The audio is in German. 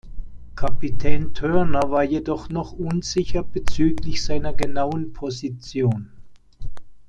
Kapitän Turner war jedoch noch unsicher bezüglich seiner genauen Position.